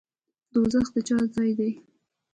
دوزخ د چا ځای دی؟